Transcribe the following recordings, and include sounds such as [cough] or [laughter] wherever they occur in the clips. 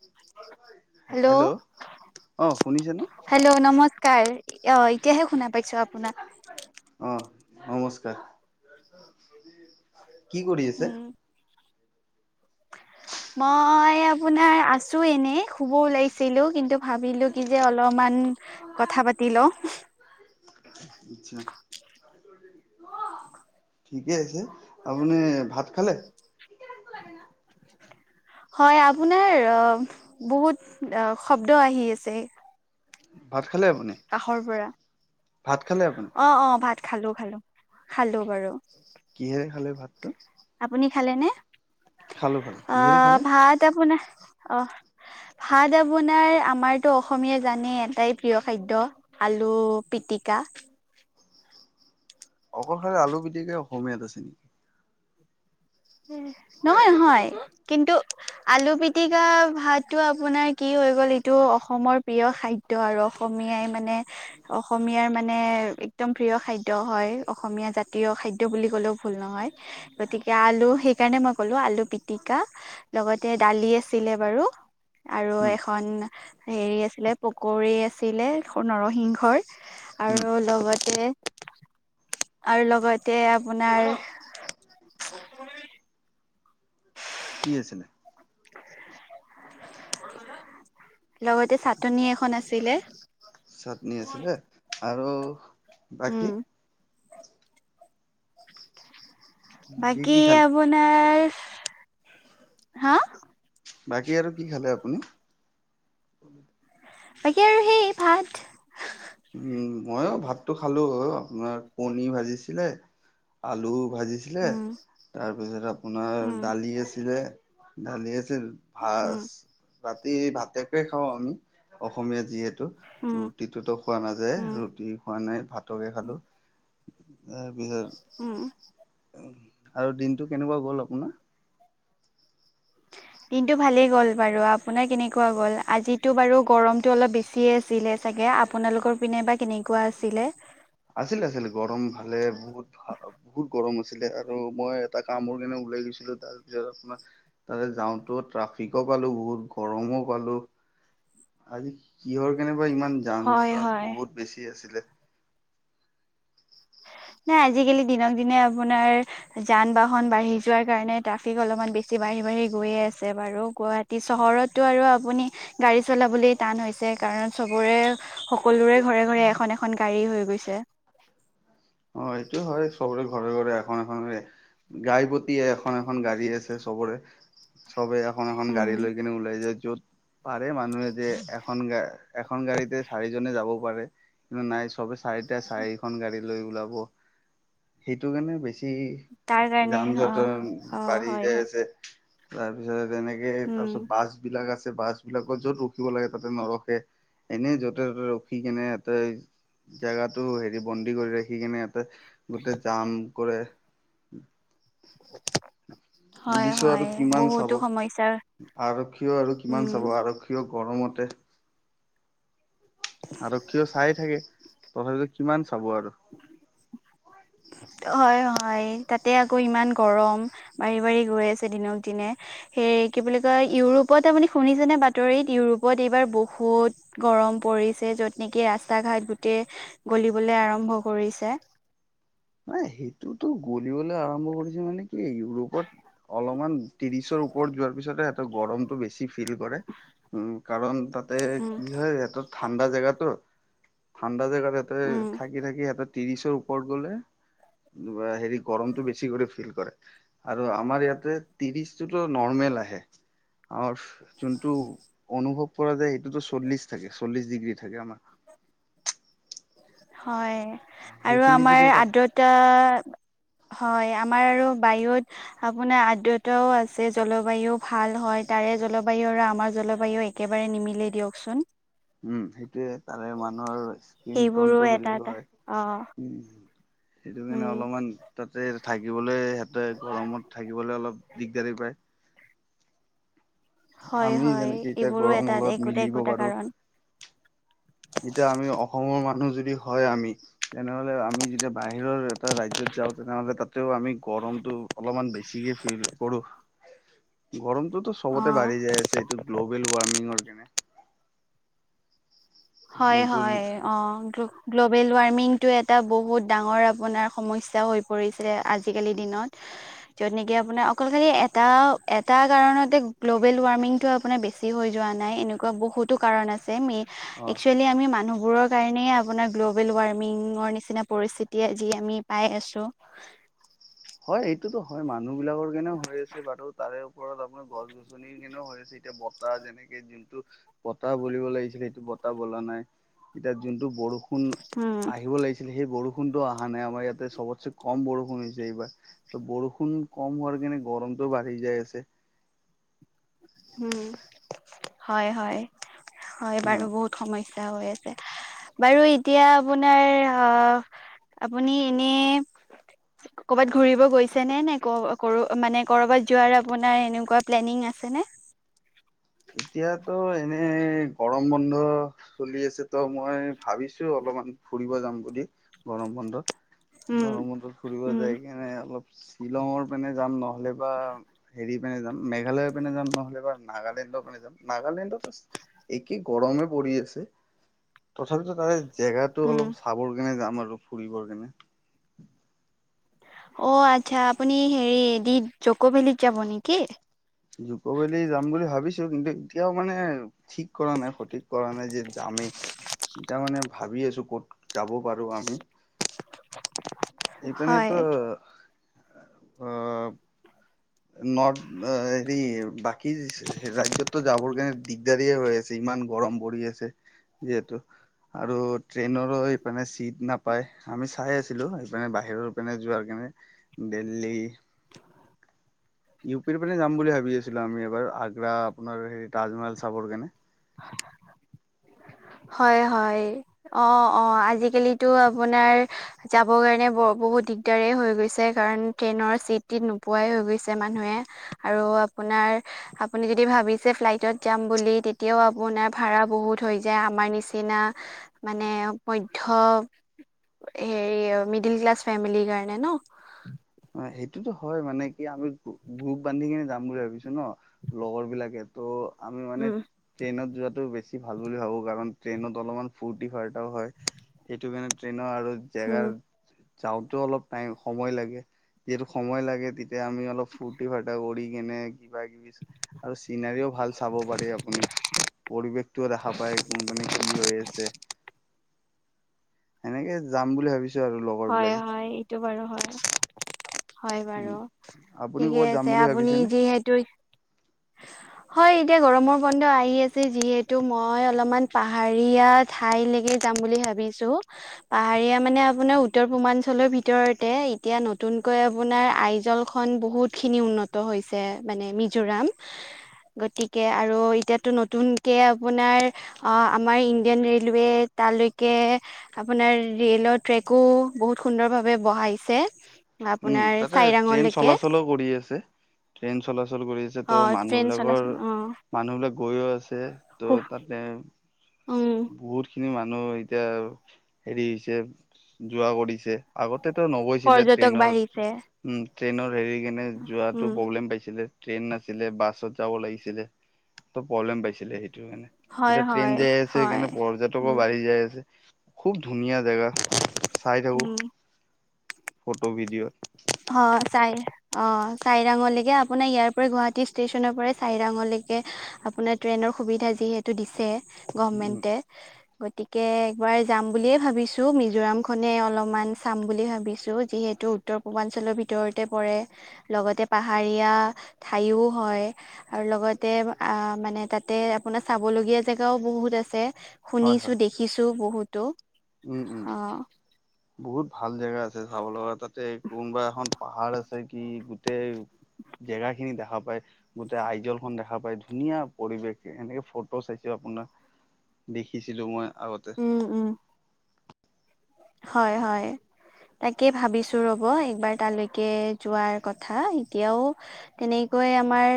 [inaudible] Hello, অ শুনিছে ন হেল্ল', নমস্কাৰ অহ এতিয়াহে শুনা পাইছো আপোনাৰ অ নমস্কাৰ [inaudible] কি কৰি আছে? উম মই আপোনাৰ আছো এনেই। শুব ওলাইছিলো কিন্তু ভাবিলো কি যে অলমান কথা পাতি লওঁ। আচ্ছা [unintelligible] ঠিকেই আছে। আপুনি ভাত খালে? [unintelligible] হয়, আপোনাৰ বহুত শব্দ আহি আছে ভাত খালে আপুনি কাষৰ পৰা ভাত খালে আপুনি? অ অ ভাত খালো -খালো -খালো বাৰু। কিহেৰে খালে ভাতটো আপুনি খালে নে? খালো খালো কিহেৰে আহ খালে ভাত আপোনাৰ অহ। ভাত আপোনাৰ আমাৰতো অসমীয়া জানেই এটাই প্ৰিয় খাদ্য আলু পিটিক পিটিকা। অকল যে আলু পিটিকাই অসমীয়াত আছে নেকি? নহয় নহয় কিন্তু আলু পিটিকা ভাততো আপোনাৰ কি কৈ গ'ল এইটো অসমৰ প্ৰিয় খাদ্য আৰু অসমীয়াই মানে অসমীয়াৰ মানে একদম প্ৰিয় খাদ্য হয়, অসমীয়া জাতি প্ৰিয় খাদ্য বুলি কলেও ভূল নহয়। গতিকে আলু সেইকাৰণে মই কলো আলু পিটিকা লগতে দালি আছিলে বাৰু আৰু উম এখন হেৰি আছিলে পকৰি আছিলে নৰসিংহৰ উম আৰু লগতে আৰু লগতে আপোনাৰ কি আছিলে? লগতে চাটনি এখন আছিলে। চাটনি আছিলে আৰু বাকী? উম বাকী কি খালে আপোনাৰ হা! বাকী আৰু কি খালে আপুনি? বাকী আৰু সেই ভাত। উম, মইও অ ভাতটো খালো আপোনাৰ কণী ভাজিছিলে, আলু ভাজিছিলে, উম তাৰপিছত আপোনাৰ উম দালি আছিলে, দালি আছি তেল উম ভাচ, ৰাতি ভাতেকে খাওঁ আমি অসমীয়া যিহে টো, উম ৰুটিটো ত খোৱা নাযায়, উম ৰুটি খোৱা নাই ভাতকে খালো। তাৰ উম পিছত আৰু দিনটো কেনেকুৱা গ'ল আপোনাৰ? [inaudible] দিনটো ভালে গ'ল বাৰু আপোনাৰ কেনেকুৱা গ'ল আজিটো বাৰু গৰমটো অলপ বেছিয়ে আছিলে চাগে? য়া আপোনালোকৰ পিনে বা কেনেকুৱা আছিলে? আছিলে আছিলে গৰম ভালে বহুত ভ বহুত গৰম আছিলে আৰু মই এটা কামৰ কাৰণে ওলাই গৈছিলো তাৰ পিছত আপোনাৰ তাতে যাওঁতো ট্ৰাফিকো পালো বহুত গৰমো পালো। আজি কিহৰ কেনেকোৱা ইমান যান হয় জট্ৰ হয় বহুত বেছি আছিলে। উ [inaudible] নাই আজিকালি দিনক দিনে আপোনাৰ যান- বাহন বাঢ়ি যোৱাৰ কাৰণে ট্ৰাফিক অলপমান বেছি বাঢ়ি সেই বাঢ়ি গয়ে আছে বাৰু গুৱাহাটী চহৰতটো আৰু আপুনি গাড়ী চলাবলে টান হৈছে কাৰণ কাৰন চবৰে সকলোৰে ঘৰে ঘৰে এখন এখন গাড়ী হৈ গৈছে। অ অ এইটো হয় চবৰে ঘৰে, ঘৰে। এখন এখন গাই পতিয়ে এখন এখন গাড়ী আছে চবৰে। চবে এখন এখন উম গাড়ী লৈ কিনে ওলাই যায়। য'ত পাৰে মানুহে যে এখন গা এখন গাড়ীতে চাৰিজনে যাব পাৰে। কিন্তু নাই চবে চাৰিটা চাৰিখন গাড়ী লৈ ওলাব, সেইটো কাৰণে বেছি তাৰ টি কাৰণে যান অ যটন অ বাঢ়ি হয় যাই হয় আছে, তাৰপিছত তেনেকে উম তাৰ পিছত বাছ বিলাক আছে। বাছ বিলাকত য'ত ৰখিব লাগে তাতে নৰখে, এনেই যতে ত'তে ৰখি কেনে তাতে জেগাটো হেৰি বন্দী কৰি ৰাখি কিনে এয়াতে গোটেই জাম কৰে। [inaudible] হয় পুলিচৰ আৰু হয় কিমান চাব, বহুতো সমস্যাৰ আৰক্ষীও আৰু উম কিমান চাব আৰক্ষীও গৰমতে আৰক্ষীও চাই থাকে তথাপিতো কিমান? চাব আৰু হয়, হয়। তাতে আকৌ ইমান গৰম বাঢাৰি বঢাৰি গৈ আছে দিনক দিনে সেই কি বুলি কয় ইউৰোপ ইউৰোপত আপুনি শুনিছেনে বাতৰিত ইউৰোপত এইবাৰ বহুত গৰম পৰিছে য'ত নেকি ৰাস্তা ঘাইত গোটেই গলিবলৈ আৰম্ভ কৰিছে। নাই সেইটোতো গলিবলৈ আৰম্ভ কৰিছে মানে কি ইউৰোপত অলপমান ত্ৰিশৰ ওপৰত যোৱাৰ পিছতে সিহঁৰ গৰমটো বেছি। ফিল কৰে উ কাৰণ তাতে উম কি হয়ত ঠাণ্ডা জেগাতো ঠাণ্ডা জেগাত সহতে উম থাকি থাকি সহতে ত্ৰিশৰ ওপৰত গ'লে। উ হেৰি গৰমতটো বেছি কৰি ফিল কৰে আৰু আমাৰ ইয়াতে ত্ৰিশ টোতো নৰ্মেল আহে। যোনটো অনুভৱ পৰা যায় সটোতো চল্লিশ থাকে চল্লিশ ডিগ্ৰী থাকে আমাৰ। হয় আৰু সেইখিনি যদি আমাৰ তাত আৰ্দ্ৰতা হয় আমাৰ আৰু বায়ুত আপোনাৰ আদ্ৰতাও আছে জলবায়ু ভাল হয় তাৰে। জলবায়ুৰা আমাৰ জলবায়ু একেবাৰে নিমিলে দিয়কচোন। উম সেইটোয়ে তাৰে মানুহৰ। সেইবোৰো কীৰ্তনতটো এটা বেলেগ এটা হয় অ সেইটো উম কাৰণে অলপমান। তাতে থাকিবলৈ সিহঁতে গৰমত থাকিবলৈ অলপ দিগদাৰি পায়। হয় আমি হয় যেনেকে এতিয়া এইবোৰো গৰমৰ এটা, লগত একোটা, মিলিব একোটা পাৰো কাৰণ। এতিয়া আমি অসমৰ মানুহ যদি হয় আমি। তেনেহ'লে আমি যেতিয়া বাহিৰৰ এটা ৰাজ্যত যাওঁ তেনেহ'লে তাত। ও আমি গৰমতটো অলপমান বেছিকে ফিল কৰো গৰম। তো অ সবতে বাঢ়ি যায় আছে এইটো গ্ল'বেল ৱাৰ্মিংৰ কেনে। হয়, হয় অ গ গ্। গ্ল'বেল ৱাৰ্মিংটো এটা বহুত ডাঙৰ আপোনাৰ সমস্যা হৈ পৰিছিল আজিকালি দিনত। যত নেকি আপোনাৰ অকল খালি এটা এটা কাৰণতে গ্ল'বেল ৱাৰ্মিং টো আপোনাৰ বেছি হৈ। যোৱা নাই এনেকুৱা বহুতো কাৰণ আছে ম। অ' আমি মানুহ বোৰৰ কাৰণেই আপোনাৰ গ্ল'বেল ৱাৰ্মিংৰ নিচিনা পৰিস্থিতি যি আমি পাই আছো। হয় হয় এইটোতো হয় মানুহ বিলাকৰ কেনেও হৈ আছে বাৰু তাৰে ওপৰত আপোনাৰ গছ গছনিৰ কেনেও হৈ আছে। এতিয়া বতাহ যেনেকে যোনটো বতাহ বিব লাগিছিলে সেইটো বতাহ বলা নাই এতিয়া যোন। টো বৰষুণ আহিব লাগিছিলে। সেই বৰষুণটো অহা নাই আমাৰ ইয়াতে সবতছে কম বৰষুণ হৈছে এইবাৰ। বৰষুণ কম হোৱাৰ কাৰণে গৰমটো বাঢ়ি যায় আছে। উম। হয়-হয়, হয় বাৰু অ বহুত সম স্যা হৈ আছে। বাৰু এতিয়া আপোনাৰ অ' আপুনি এনে কৰ'বাত ঘুৰিব গৈছে নে? নে ক- কৰ- মানে ক'ৰবাত যোৱাৰ আপোনাৰ এনেকুৱা প্লেনিং আছে নে? এতিয়াতো এনে গৰম বন্ধ চলি আছে তো মই ভাবিছো অলপ অকনমান ফুৰিব যাম বুলি গৰম বন্ধত। উম গৰমত ফুৰিব উম যায় সেইকাৰণে অলপ শ্বিলঙৰ পিনে যাম নহয়। নহ'লে বা হেৰি পিনে যাম মেঘালয় পিনে যাম নহ'লে বা নাগালেণ্ডত। নাগালেণ্ডত একেই গৰমে পৰি আছে তথাপিতো তাৰে জেগাটো উম অলপ চাবৰ কাৰণে যাম আৰু ফুৰিবৰ কাৰণে [unintelligible] অ আচ্ছা আপুনি হেৰি জক' ভেলীত যাব নেকি? জুকভেলি যাম বুলি ভাবিছো কিন্তু এতিয়াও মানে ঠিক কৰা নাই সত। ঠিক কৰা নাই যে যামে এতিয়া মানে ভাবি আছো ক'ত যাব পাৰো আমি হয়। এইপিনেটো আহ। নৰ্থ হৰি বাকী ৰাজ্যতো যাবৰ কোনে দিগদাৰিয়েই হৈ আছে। ইমান গৰম পৰি আছে যিহেতু। [unintelligible] আৰু ট্ৰেইনৰো সিফালে চিট নাপায় আমি চাই আছিলো সপানে বাহিৰৰ পানে যোৱাৰ কাৰণে। নে দিল্লী ইউ পিৰ পিনে যাম বুলি ভাবি আছিলোঁ আমি এবাৰ। আগ্ৰা আপোনাৰ হেৰি তাজমহল চাবৰ কাৰণে। [inaudible] হয়-হয়। অ'-অ' আজিকালিতো আপোনাৰ যাবৰ কাৰণে বৰ বহুত দিগদাৰে হৈ গৈছে। কাৰণ ট্ৰেইনৰ চিট-টিত নোপোৱাই হৈ গৈছে মানুহে। আৰু আ পোনাৰ আপুনি যদি ভাবিছে ফ্লাইটত যাম বুলি, তেতিয়াও আপোনাৰ ভাড়া বহুত হৈ যায়, আমাৰ নিচিনা মানে মধ্য হেৰি অ'- মিডিল ক্লাছ ফেমিলিৰ কাৰণে ন'? অ' সেইটোতো হয়, মানে কি আমি গূ- গ্ৰুপ বান্ধি কিনে যাম বুলি ভাবিছোঁ ন'? লগৰবিলাকে, তো আমি মানে উম ট্ৰেইনত যোৱাটো বেছি ভাল বুলি ভাবোঁ। কাৰণ ট্ৰেইনত অলপমান ফূৰ্তি-ফাৰ্তাও হয়। সেইটো কাৰণে ট্ৰেইনৰ আৰু হুম। জেগাৰ যাওঁতেও অলপ টাইম- সময় লাগে। যিহেতু সময় লাগে তে তিয়া আমি অলপ ফুৰ্তি-ফাৰ্টা কৰি কেনে কিবাকিবি আৰু চিনাৰীও ভাল চাব পাৰে আপুনি। পৰিৱেশটোও দেখা পায়, কো- মানে কি হৈ আছে। এনেকে যাম বুলি ভাবিছ হয়-হয়, এইটো বাৰু হয়। হয় উম বাৰু। আপুনি ঠিকে ক'বাত যাম আছে। বুলি আপুনি ভাবিছেনে? যিহেতু হয়, এতিয়া গৰমৰ বন্ধ আহি আছে যিহেতু, মই অলপমান পাহাৰীয়া ঠাইলৈকে যা যাম বুলি ভাবিছোঁ। পাহাৰীয়া মানে আপোনাৰ উত্তৰ-পূৰ্বাঞ্চলৰ ভিতৰতে এতিয়া নতুনকৈ আপোনাৰ আইজলখন বহুতখিনি উন্নত হয় হৈছে মানে মিজোৰাম। গতিকে আৰু এতিয়াতো নতুনকে আপোনাৰ অ'- আমাৰ ইণ্ডিয়ান ৰেলোৱে তালৈকে আপোনাৰ ৰেলৰ ট্ৰেকো বহুত সুন্দৰভাৱে বঢ়াইছে। উম, তাতে ট্ৰেইন চলাচলো কৰি আছে। ট্ৰেইন চলাচল কৰি আছে, অ তো ট্ৰেইন মানুহবিলাকৰ চলাচল অ মানুহবিলাক গৈয়ো আছে। তো তাতে উম বহুতখিনি মানুহ এতিয়া হেৰি হৈছে, যোৱা কৰিছে। আগতেতো নগৈছিলে পৰ্যটক ট্ৰেইনৰ- বাঢ়িছে উম, ট্ৰেইনৰ হেৰি কেনে যোৱাটো উম, প্ৰব্লেম পাইছিলে। ট্ৰেইন নাছিলে, বাছত যাব লাগিছিলে। তো প্ৰব্লেম পাইছিলে সে টো এনে। হয়, এতিয়া ট্ৰেইন হয়, যাই আছে, হয়, সেইকাৰণে পৰ্যটকো উম, বাঢ়ি যাই আছে। খুব ধুনীয়া জেগা চাই থাকোঁ উম, ফটো ভিডিঅ'ত। চ অ চাইিৰাঙলেকে আপোনাৰ ইয়াৰ পৰা গুৱাহাটী ষ্টেচনৰ পৰা চাইিৰাঙলেকে আপোনাৰ ট্ৰেইনৰ সুবিধা যিহেতু দিছে উম গভমেন্টে গতিকে একবাৰ যাম বুলিয়ে ভাবিছো মিজোৰাম খনে অলপমান চাম বুলি ভাবিছো, যিহেতু উত্তৰ পূৰ্বাঞ্চলৰ ভিতৰতে পৰে, লগতে পাহাৰীয়া ঠাইও হয় আৰু লগ লগতে আ- মানে তাতে আপোনাৰ চাবলগীয়া জেগাও বহুত আছে। হয় হয় শুনিছোঁ দেখিছোঁ বহুতো। উম - উম। অ', বহুত ভাল জেগা আছে চাব লগা। তাতে কোনোবা এখন পাহাৰ আছে, কি গোটেই জেগাখিনি দেখা পায়। গোটেই আইজলখন দেখা পায়। ধুনীয়া পৰিৱেশ, এনেকে ফটো চাইছে আপোনাৰ, দেখিছিলোঁ মই আগতে। উম, উম। হয় - হয়। তাকে ভাবিছোঁ ৰ'ব, একবাৰ তালৈকে যোৱাৰ কথা। এতিয়াও তেনে গৈ আমাৰ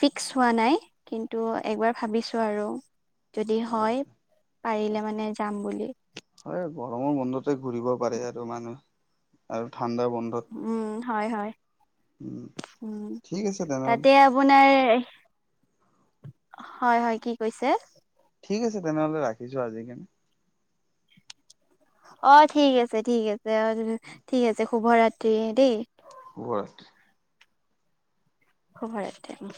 ফিক্স হোৱা নাই। কিন্ত একবাৰ ভাবিছোঁ আৰু। যদি হয়, পাৰিলে মানে যাম বুলি। হয়, গৰমৰ বন্ধতে ঘূৰিব পাৰে আৰু মানুহ। আৰু ঠাণ্ডাৰ বন্ধত উম, হয় - হয়। উম উম, ঠিক আছে তেনেহ'লে তাতে আপোনাৰ হয় - হয়, কি কৈছে? ঠিক আছে তেনেহ'লে ৰাখিছো আজিকানে। অ ঠিক আছে ঠিক আছে অ ঠিক আছে শুভ ৰাত্ৰি দেই। শুভ ৰাত্ৰি। শুভ ৰাত্ৰি।